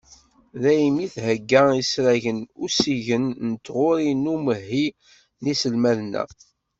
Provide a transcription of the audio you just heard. Daymi i d-thegga isragen uziggen n tɣuri d uwehhi n yiselmaden-a.